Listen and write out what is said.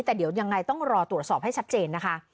แต่เดี๋ยวยังไงต้องรอตรวจสอบให้ชัดเจนนะคะ